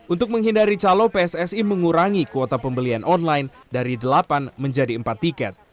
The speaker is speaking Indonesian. untuk menghindari calon pssi mengurangi kuota pembelian online dari delapan menjadi empat tiket